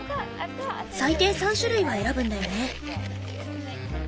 最低３種類は選ぶんだよね。